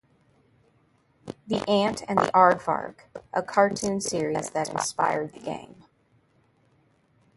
"The Ant and the Aardvark", a cartoon series that inspired the game.